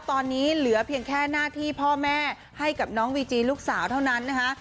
ตอนนี้เหลือเพียงแค่หน้าที่พ่อแม่ให้กับน้องวีจีลูกสาวเท่านั้นนะคะ